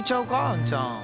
あんちゃん。